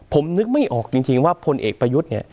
ผมนึกไม่ออกจริงว่าพลเอกประยุทธ์เนี่ย